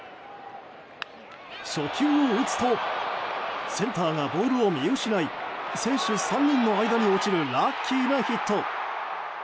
初球を打つとセンターがボールを見失い選手３人の間に落ちるラッキーなヒット。